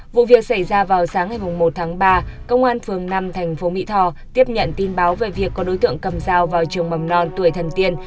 vụ việc xảy ra vào sáng ngày một tháng ba công an phường năm thành phố mỹ tho tiếp nhận tin báo về việc có đối tượng cầm dao vào trường mầm non tuổi thần tiên